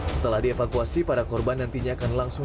setelah dievakuasi para korban nantinya akan langsung